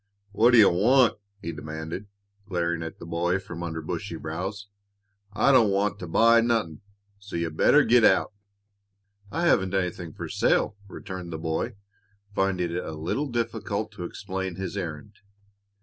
"What d' you want?" he demanded, glaring at the boy from under bushy brows. "I don't want to buy nothin', so you'd better git out." "I haven't anything for sale," returned the boy, finding it a little difficult to explain his errand.